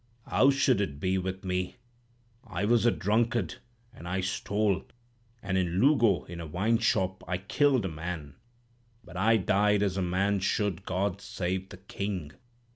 "'How should it be with me? I was a drunkard, and I stole, and in Lugo, in a Wine shop, I killed a man. But I died as a man should. God save the King!'